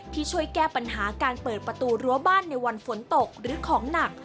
ที่ช่วยแก้ปัญหาการเปิดประตูรั้วบ้านในวันฝนตกหรือของหนัก